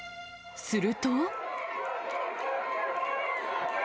すると。